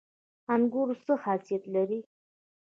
انګور څه خاصیت لري؟